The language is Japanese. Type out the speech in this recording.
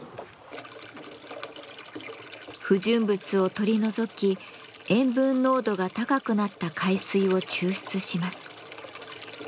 不純物を取り除き塩分濃度が高くなった海水を抽出します。